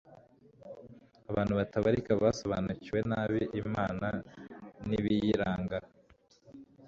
Abantu batabarika basobanukiwe nabi Imana nibiyiranga